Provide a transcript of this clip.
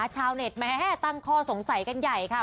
ชาวเน็ตแม้ตั้งข้อสงสัยกันใหญ่ค่ะ